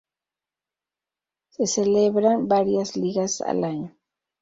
Se celebran varias ligas al año.